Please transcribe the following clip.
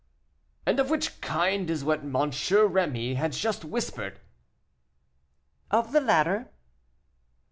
"And of which kind is what M. Rémy has just whispered?" "Of the latter."